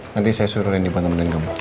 nanti saya suruh reni buat nembetin kamu